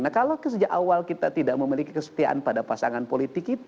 nah kalau sejak awal kita tidak memiliki kesetiaan pada pasangan politik kita